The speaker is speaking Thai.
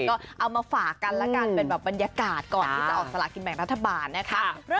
ก็เอามาฝากกันแล้วกันเป็นแบบบรรยากาศก่อนที่จะออกสลากินแบ่งรัฐบาลนะคะ